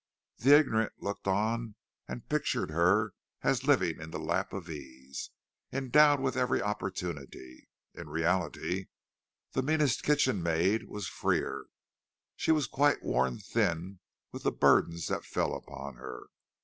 The ignorant looked on and pictured her as living in the lap of ease, endowed with every opportunity: in reality the meanest kitchen maid was freer—she was quite worn thin with the burdens that fell upon her.